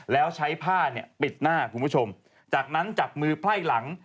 แล้วใช้ผ้าปิดหน้ากับผู้ประชมจากนั้นจับมือไผ้หลัง